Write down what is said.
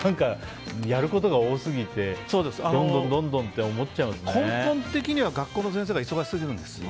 やることが多すぎてどんどん、どんどんと根本的には学校の先生が忙しすぎるんです。